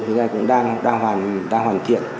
hiện nay cũng đang hoàn thiện